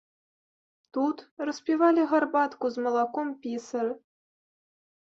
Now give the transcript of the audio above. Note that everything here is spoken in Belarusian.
Тут распівалі гарбатку з малаком пісары.